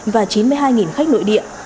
và chín mươi hai khách nội địa